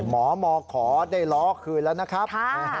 หมอมขอได้ล้อคืนแล้วนะครับ